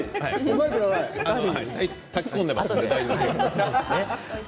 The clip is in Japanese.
炊き込んでいますので。